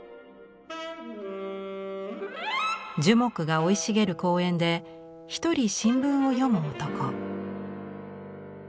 樹木が生い茂る公園で一人新聞を読む男。